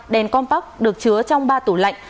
đèn compact được chứa trong ba tủ lạnh